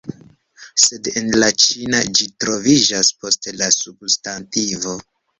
Sed en la ĉina ĝi troviĝas post la substantivo